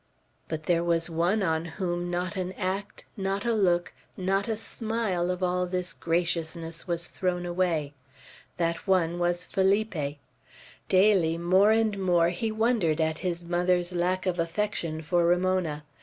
But there was one on whom not an act, not a look, not a smile of all this graciousness was thrown away. That one was Felipe. Daily more and more he wondered at his mother's lack of affection for Ramona.